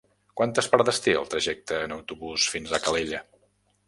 Quantes parades té el trajecte en autobús fins a Calella?